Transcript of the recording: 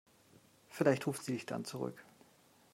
Vielleicht ruft sie dich dann zurück.